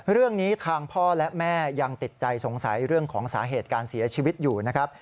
เรื่องนี้ทางพ่อและแม่ยังติดใจสงสัยเรื่องของสาเหตุการเสียชีวิตอยู่นะครับ